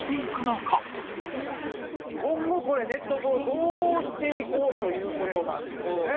今後これ熱湯風呂どうしていこうという事なんですよね。